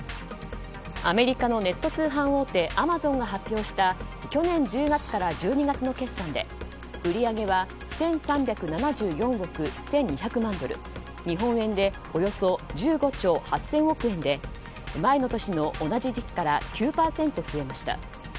アメリカのネット通販大手アマゾンが発表した去年１０月から１２月の決算で売り上げは１３７４億１２００万ドル日本円でおよそ１５兆８０００億円で前の年の同じ時期から９％増えました。